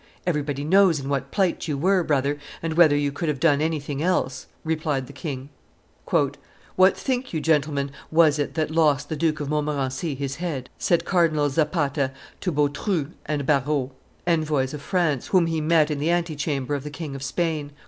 "Everybody knows in what plight you were, brother, and whether you could have done anything else," replied the king. "What think you, gentlemen, was it that lost the Duke of Montmorency his head?" said Cardinal Zapata to Bautru and Barrault, envoys of France, whom he met in the antechamber of the King of Spain.